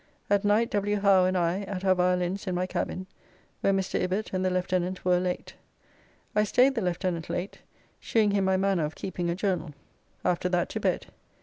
At night W. Howe and I at our viallins in my cabin, where Mr. Ibbott and the lieutenant were late. I staid the lieutenant late, shewing him my manner of keeping a journal. After that to bed.